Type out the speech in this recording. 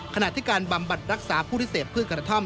ขณะที่การบำบัดรักษาผู้ที่เสพพืชกระท่อม